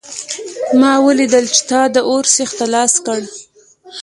ما ولیدل چې تا د اور سیخ ته لاس کړ